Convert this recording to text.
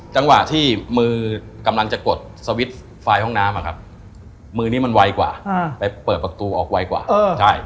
จังหวะที่มือกำลังจะกดสวิตช์ไฟล์ห้องน้ำอะครับมือนี้มันไวกว่าไปเปิดประตูออกไวกว่าใช่